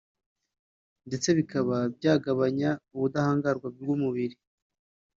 ndetse bikaba byanagabanya ubudahangarwa bw’umubiri